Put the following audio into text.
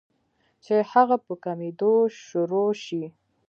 چې هغه پۀ کمېدو شورو شي